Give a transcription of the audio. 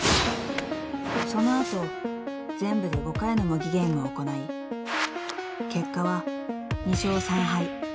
［その後全部で５回の模擬ゲームを行い結果は２勝３敗。